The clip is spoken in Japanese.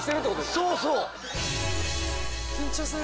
そうそう。